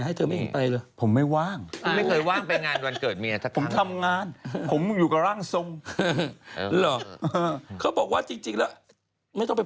กระเทยเก่งกว่าเออแสดงความเป็นเจ้าข้าว